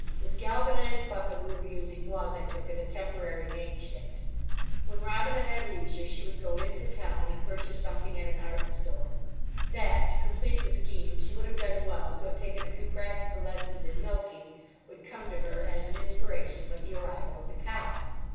This galvanised bucket we were using was, I took it, a temporary makeshift. When Robina had leisure she would go into the town and purchase something at an art stores. That, to complete the scheme, she would have done well to have taken a few practical lessons in milking would come to her, as an inspiration, with the arrival of the cow.